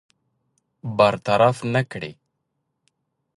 برطرف نه کړي.